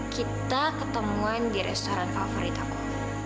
kita ketemuan di restoran favorit aku